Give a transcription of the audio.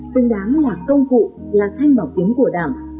xứng đáng là công cụ là thanh màu kiếm của đảng